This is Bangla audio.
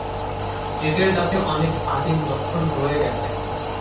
এদের দাঁতে অনেক আদিম লক্ষণ রয়ে গেছে।